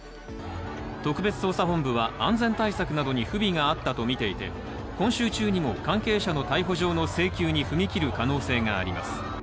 特別捜査本部は安全対策などに不備があったとみていて、今週中にも関係者の逮捕状の請求に踏み切る可能性があります。